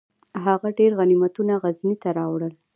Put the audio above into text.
هغه ډیر غنیمتونه غزني ته راوړل.